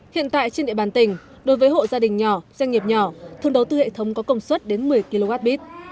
hiện tại trên địa bàn tỉnh đối với hộ gia đình nhỏ doanh nghiệp nhỏ thường đầu tư hệ thống có công suất đến một mươi kwh